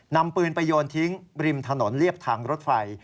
นำปืนไปโยนทิ้งริมถนนเรียบทางรถไฟ